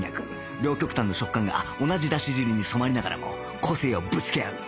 両極端の食感が同じだし汁に染まりながらも個性をぶつけ合う